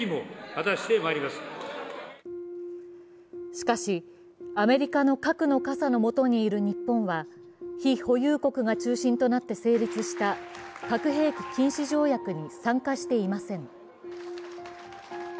しかし、アメリカの核の傘の下にいる日本は非保有国が中心となって成立した核兵器禁止条約に参加していません。